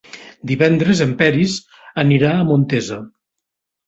Divendres en Peris anirà a Montesa.